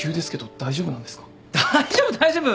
大丈夫大丈夫